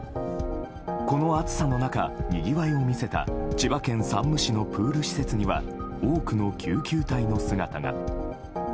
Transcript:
この暑さの中、にぎわいを見せた千葉県山武市のプール施設には多くの救急隊の姿が。